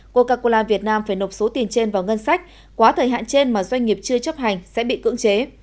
coca cola việt nam phải nộp số tiền trên vào ngân sách quá thời hạn trên mà doanh nghiệp chưa chấp hành sẽ bị cưỡng chế